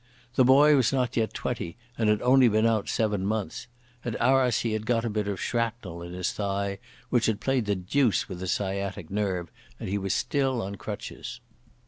The boy was not yet twenty, and had only been out seven months. At Arras he had got a bit of shrapnel in his thigh, which had played the deuce with the sciatic nerve, and he was still on crutches.